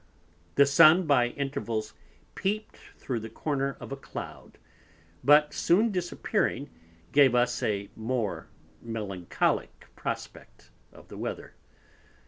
The Sun by intervals peeped through the corner of a Cloud, but soon disappearing, gave us a more melancholick Prospect of the Weather.